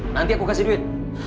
nanti aku kasih duit